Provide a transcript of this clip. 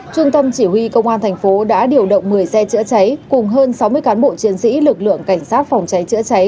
trung tâm chỉ huy công an thành phố đã điều động một mươi xe chữa cháy cùng hơn sáu mươi cán bộ chiến sĩ lực lượng cảnh sát phòng cháy chữa cháy